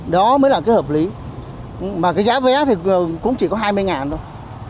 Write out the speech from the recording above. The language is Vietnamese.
đó mới là cái hợp lý mà cái giá vé thì cũng chỉ có hai mươi ngàn thôi